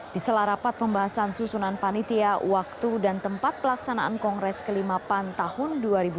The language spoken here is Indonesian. di selarapat pembahasan susunan panitia waktu dan tempat pelaksanaan kongres ke lima pan tahun dua ribu dua puluh